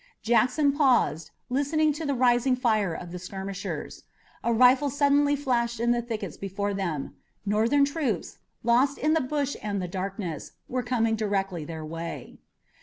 Jackson paused, listening to the rising fire of the skirmishers. A rifle suddenly flashed in the thickets before them. Northern troops, lost in the bush and the darkness, were coming directly their way.